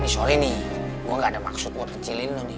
sorry nih gue ga ada maksud buat kecilin lo nih